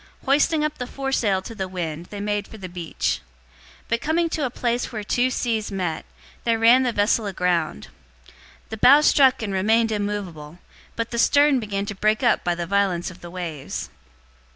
Hoisting up the foresail to the wind, they made for the beach. 027:041 But coming to a place where two seas met, they ran the vessel aground. The bow struck and remained immovable, but the stern began to break up by the violence of the waves.